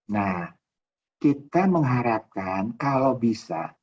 nah kita mengharapkan kalau bisa